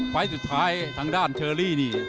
ไฟล์สุดท้ายทางด้านเชอรี่นี่